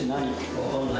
わかんない。